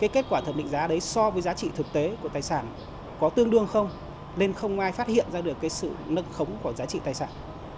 kết quả thẩm định giá đấy so với giá trị thực tế của tài sản có tương đương không nên không ai phát hiện ra được sự nâng khống của giá trị tài sản